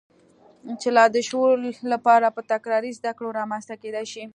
چې د لاشعور لپاره په تکراري زدهکړو رامنځته کېدای شي.